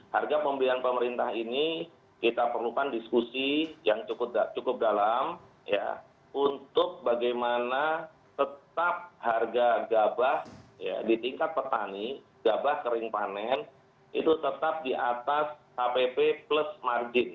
harga pembelian pemerintah ini kita perlukan diskusi yang cukup dalam ya untuk bagaimana tetap harga gabah di tingkat petani gabah kering panen itu tetap di atas kpp plus margin